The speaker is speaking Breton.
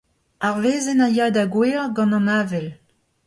Ar wezenn a ya da gouezhañ gant an avel.